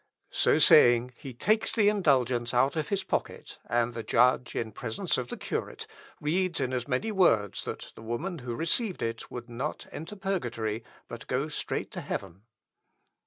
So saying, he takes the indulgence out of his pocket, and the judge, in presence of the curate, reads in as many words that the woman who received it would not enter purgatory, but go straight to heaven.